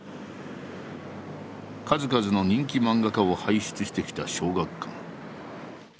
数々の人気漫画家を輩出してきた小学館。